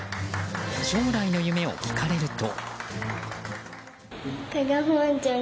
将来の夢を聞かれると。